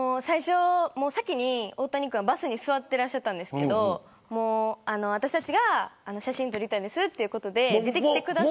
先に大谷くんはバスに座っていたんですけど私たちが写真撮りたいですということで出てきてくれて。